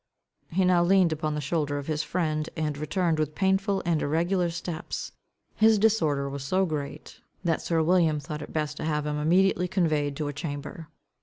He now leaned upon the shoulder of his friend, and returned with painful and irregular steps. His disorder was so great, that sir William thought it best to have him immediately conveyed to a chamber.